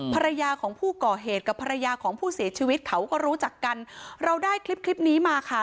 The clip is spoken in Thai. ภรรยาของผู้ก่อเหตุกับภรรยาของผู้เสียชีวิตเขาก็รู้จักกันเราได้คลิปคลิปนี้มาค่ะ